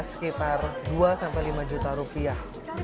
sekitar dua sampai lima juta rupiah